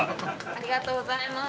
◆ありがとうございます。